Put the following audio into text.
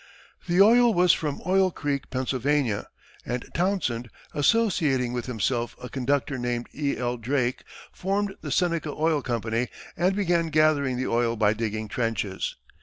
The oil was from Oil Creek, Pennsylvania, and Townsend, associating with himself a conductor named E. L. Drake, formed the Seneca Oil Company and began gathering the oil by digging trenches.